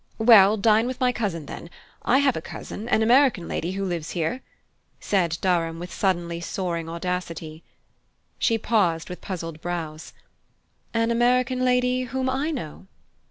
"Well, dine with my cousin, then I have a cousin, an American lady, who lives here," said Durham, with suddenly soaring audacity. She paused with puzzled brows. "An American lady whom I know?"